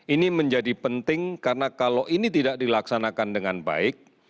ini menjadi penting karena kalau ini tidak dilaksanakan dengan baik